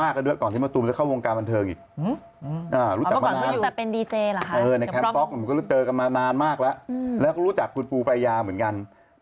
คือจริงแล้วอันนี้คือผมเป็นกลางนะ